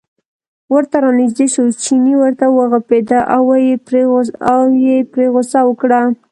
ورته را نژدې شو، چیني ورته و غپېده او یې پرې غوسه وکړه.